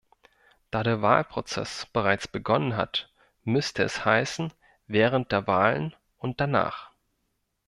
Da der Wahlprozess bereits begonnen hat, müsste es heißen während der Wahlen und danach.